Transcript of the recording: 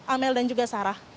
amel dan juga sarah